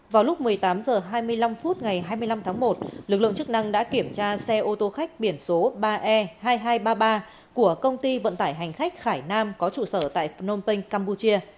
vào lúc một mươi tám h hai mươi năm phút ngày hai mươi năm tháng một lực lượng chức năng đã kiểm tra xe ô tô khách biển số ba e hai nghìn hai trăm ba mươi ba của công ty vận tải hành khách khải nam có trụ sở tại phnom penh campuchia